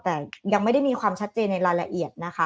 แต่ยังไม่ได้มีความชัดเจนในรายละเอียดนะคะ